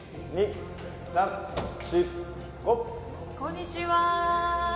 こんにちは。